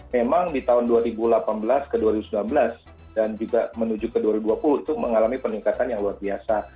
memang di tahun dua ribu delapan belas ke dua ribu sembilan belas dan juga menuju ke dua ribu dua puluh itu mengalami peningkatan yang luar biasa